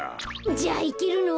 じゃあいけるの？